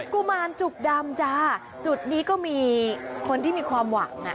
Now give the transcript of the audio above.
กุมารจุกดำจ้าจุดนี้ก็มีคนที่มีความหวังอ่ะ